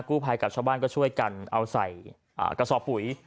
ภัยกับชาวบ้านก็ช่วยกันเอาใส่กระสอบปุ๋ย